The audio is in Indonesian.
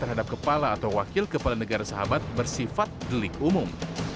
terhadap kepala atau wakil kepala negara sahabat bersifat delik umum